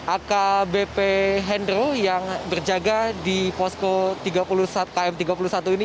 akbp hendro yang berjaga di posko km tiga puluh satu ini